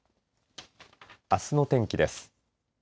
あすの天気です。